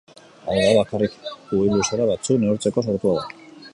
Hau da, bakarrik uhin-luzera batzuk neurtzeko sortua da.